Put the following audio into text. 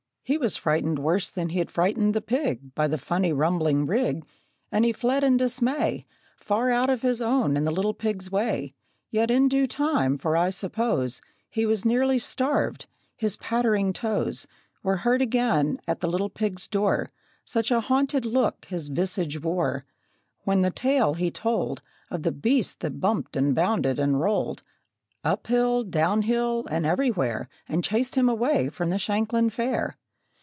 He was frightened worse than he'd frightened the pig, By the funny, rumbling rig; And he fled in dismay Far out of his own and the little pig's way. Yet in due time for I suppose He was nearly starved his pattering toes Were heard again at the little pig's door. Such a haunted look his visage wore, When the tale he told Of the beast that bumped and bounded and rolled, Up hill, down hill, and everywhere, And chased him away from the Shanklin Fair!